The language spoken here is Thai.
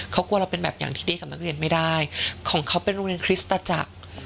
เขากลัวเราเป็นแบบอย่างที่ดีกับนักเรียนไม่ได้ของเขาเป็นโรงเรียนคริสตจักร